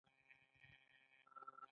خو هغه په یوه لوی زنبیل کې پټ شو.